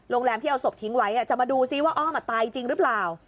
โรงแรมที่เอาศพทิ้งไว้จะมาดูซิว่าอ้อมตายจริงหรือเปล่า